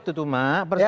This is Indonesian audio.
tuh tuh mak